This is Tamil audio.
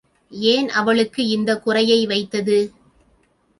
ஏன் அவளுக்கு இந்தக் குறையை வைத்தது?